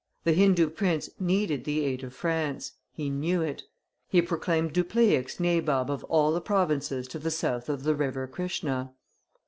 The Hindoo prince needed the aid of France; he knew it. He proclaimed Dupleix nabob of all the provinces to the south of the River Krischna.